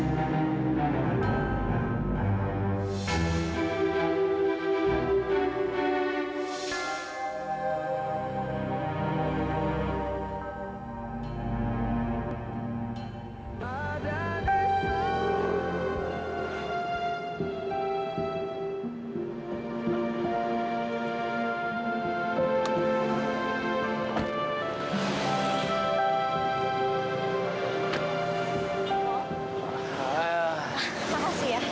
diam diam diam